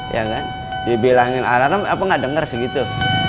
ya kan dibilangin alarm apa nggak dengar segitu